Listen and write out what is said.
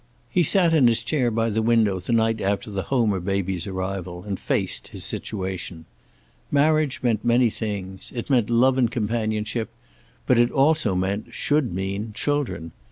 He sat in his chair by the window the night after the Homer baby's arrival, and faced his situation. Marriage meant many things. It meant love and companionship, but it also meant, should mean, children.